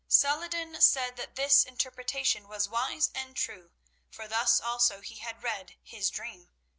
Salah ed din said that this interpretation was wise and true, for thus also he had read his dream.